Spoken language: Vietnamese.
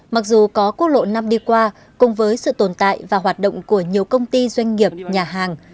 mặc dù có quốc lộ năm đi qua cùng với sự tồn tại và hoạt động của nhiều công ty doanh nghiệp nhà hàng